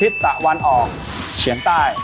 ตะวันออกเฉียงใต้